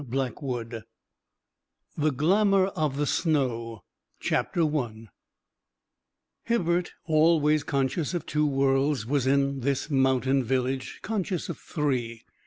The Glamour of the Snow I Hibbert, always conscious of two worlds, was in this mountain village conscious of three.